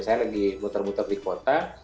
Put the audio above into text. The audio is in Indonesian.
saya lagi muter muter di kota